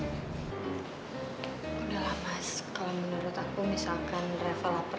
kalau menurut aku misalkan reva lapar